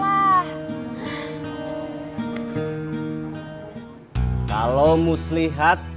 nanti dia akan mencari kamu